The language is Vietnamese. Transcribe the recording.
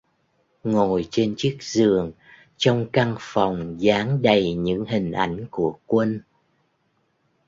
Ngồi trên chiếc giường trong căn phòng dán đầy những hình ảnh của quân